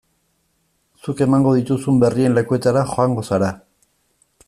Zuk emango dituzun berrien lekuetara joango zara.